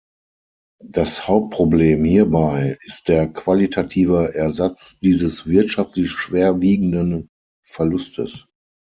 Das Hauptproblem hierbei ist der qualitative Ersatz dieses wirtschaftlich schwer wiegenden Verlustes.